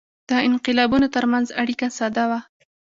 د انقلابونو ترمنځ اړیکه ساده وه.